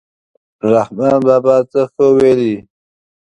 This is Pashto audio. رحمان بابا څه ښه ویلي.